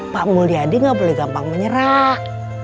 pak mulyadi nggak boleh gampang menyerah